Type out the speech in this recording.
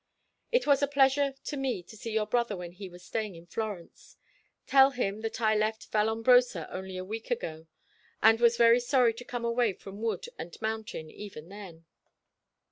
"It was a pleasure to me to see your brother when he was staying in Florence. Tell him that I left Vallombrosa only a week ago, and was very sorry to come away from wood and mountain even then."